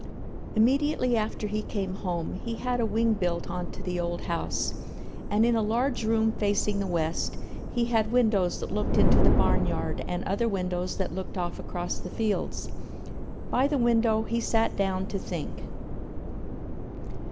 Immediately after he came home he had a wing built on to the old house and in a large room facing the west he had windows that looked into the barnyard and other windows that looked off across the fields. By the window he sat down to think.